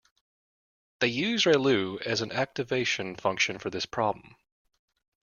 They used relu as an activation function for this problem.